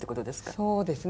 そうですね。